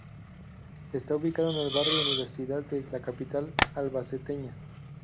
Está ubicado en el barrio Universidad de la capital albaceteña.